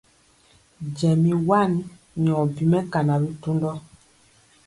Jɛ mi wan nyɔ bi mɛkana bitundɔ.